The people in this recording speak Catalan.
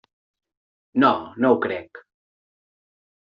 No, no ho crec.